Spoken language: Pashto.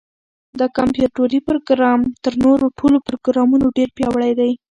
دا کمپیوټري پروګرام تر نورو ټولو پروګرامونو ډېر پیاوړی دی.